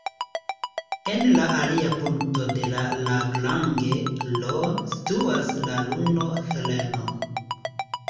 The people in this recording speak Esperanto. En la alia punkto de Lagrange, L, situas la luno Heleno.